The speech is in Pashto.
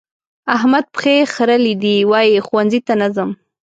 احمد پښې خرلې دي؛ وايي ښوونځي ته نه ځم.